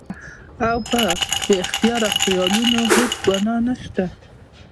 او پۀ بې اختياره خيالونو هېڅ ګناه نشته